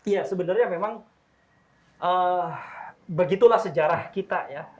ya sebenarnya memang begitulah sejarah kita ya